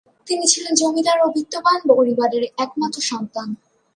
তিনি ছিলেন জমিদার ও বিত্তবান পরিবারের একমাত্র সন্তান।